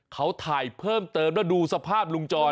เขาถ่ายเพิ่มเติมแล้วดูสภาพลุงจร